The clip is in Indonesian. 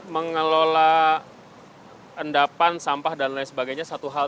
mengelola endapan sampah dan lain sebagainya satu hal